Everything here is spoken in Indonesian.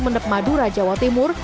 mendep madura jawa timur